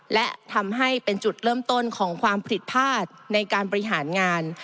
และทำให้เป็นจุดเริ่มต้นของความผิดพลาดในการบริหารงาน